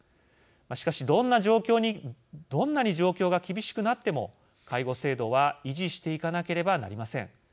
しかしどんなに状況が厳しくなっても介護制度は維持していかなければなりません。